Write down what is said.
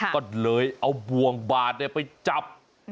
ก็เลยเอาบ่วงบาดไปจับ